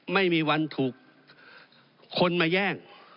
ไม่มีวันถูกคนมาแย่ง